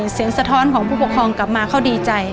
สะท้อนของผู้ปกครองกลับมาเขาดีใจ